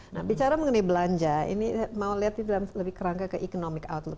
nah bicara mengenai belanja ini mau lihat di dalam lebih kerangka ke economic outlook